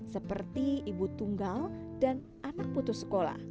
seperti ibu tunggal dan anak putus sekolah